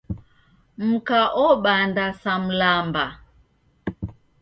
Mka obanda sa mlamba.